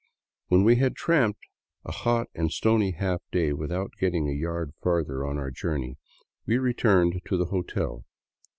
When we had tramped a hot and stony half day without getting a yard further on our journey, we returned to the hotel.